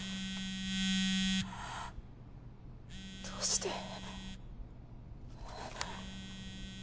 どうして？